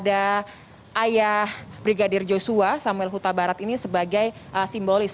ayah brigadir yosua samuel huta barat ini sebagai simbolis